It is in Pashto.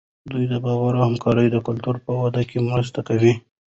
دوی د باور او همکارۍ د کلتور په وده کې مرسته کوي.